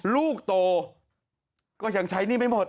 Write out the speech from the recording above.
ลูกโตก็ยังใช้หนี้ไม่หมด